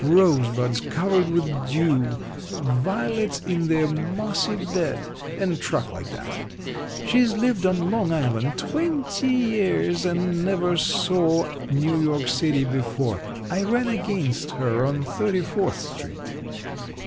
Rosebuds covered with dew violets in their mossy bed and truck like that. She's lived on Long Island twenty years and never saw New York City before. I ran against her on Thirty fourth Street.